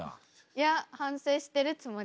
いや反省してるつもり。